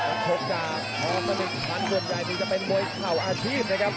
เอ่อชงตาภรรยาสมนุษย์ส่วนใหญ่มีจะเป็นบริเวณข่าวอาชีพเหนะครับ